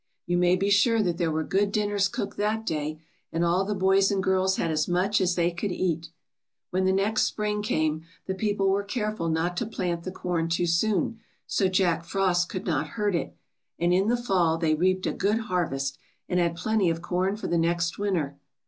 ^^You may be sure that there were good dinners cooked that day, and all the boys and girls had as much as they could eat. ^^When the next spring came, the people were careful not to plant the corn too soon, so Jack Frost could not hurt it, and in the fall they reaped a good harvest, and had plenty of corn for the next winter."